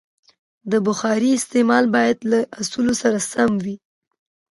د بخارۍ استعمال باید له اصولو سره سم وي.